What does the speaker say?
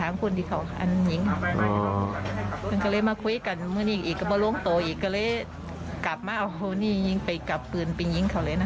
ให้แจ้งความนะคะเหมือนที่ถามคนที่เขาลองจ่าวอันนี้